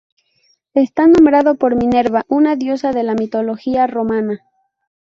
Está nombrado por Minerva, una diosa de la mitología romana.